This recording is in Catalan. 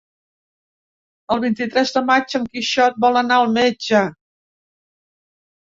El vint-i-tres de maig en Quixot vol anar al metge.